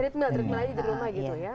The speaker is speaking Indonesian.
treadmill aja di rumah gitu ya